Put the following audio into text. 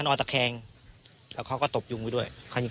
ตกลงไปจากรถไฟได้ยังไงสอบถามแล้วแต่ลูกชายก็ยังไง